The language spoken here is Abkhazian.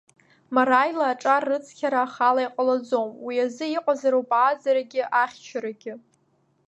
Моральла аҿар рыцқьара ахала иҟалаӡом, уи азы иҟазароуп ааӡарагьы ахьчарагьы.